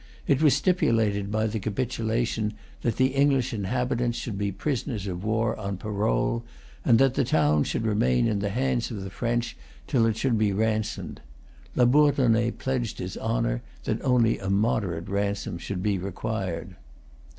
It was stipulated by the capitulation that the English inhabitants should be prisoners of war on parole, and that the town should remain in the hands of the French till it should be ransomed. Labourdonnais pledged his honour that only a moderate ransom should be required.